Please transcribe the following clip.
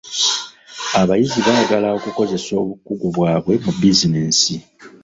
Abayizi baagala okukozesa obukugu bwabwe mu bizinensi.